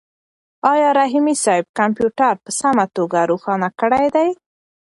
آیا رحیمي صیب کمپیوټر په سمه توګه روښانه کړی دی؟